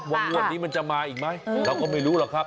งวดนี้มันจะมาอีกไหมเราก็ไม่รู้หรอกครับ